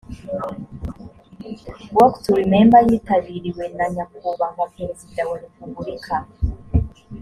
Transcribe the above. walk to remember yitabiriwe na nyakubahwa perezida wa repubulika